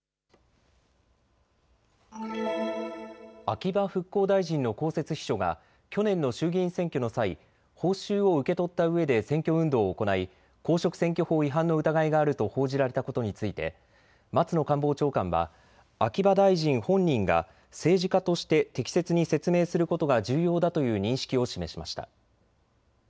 秋葉復興大臣の公設秘書が去年の衆議院選挙の際、報酬を受け取ったうえで選挙運動を行い公職選挙法違反の疑いがあると報じられたことについて松野官房長官は秋葉大臣本人が政治家として適切に説明することが重要だという認識を示しました。